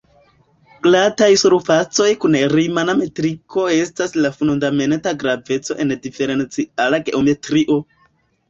Glataj surfacoj kun rimana metriko estas de fundamenta graveco en diferenciala geometrio.